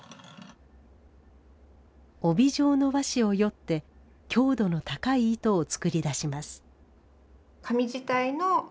帯状の和紙をよって強度の高い糸を作り出します。